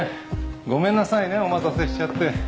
ごめんなさいねお待たせしちゃって。